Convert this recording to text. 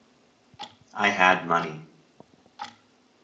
I had money.